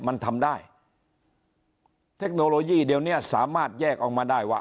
มันทำได้เทคโนโลยีเดียวเนี้ยสามารถแยกออกมาได้ว่า